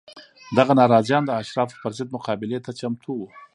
دغه ناراضیان د اشرافو پر ضد مقابلې ته چمتو وو